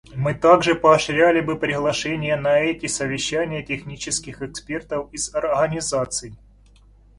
Мы также поощряли бы приглашение на эти совещания технических экспертов из организаций.